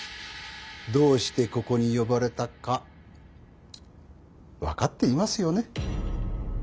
どうしてここに呼ばれたか分かっていますよね？